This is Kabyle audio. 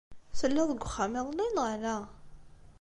Telliḍ deg uxxam iḍelli, neɣ ala?